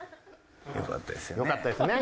よかったですよね。